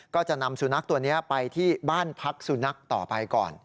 ก็จะนำสุนัขตัวนี้ไปที่บ้านพักสุนัขต่อไปก่อน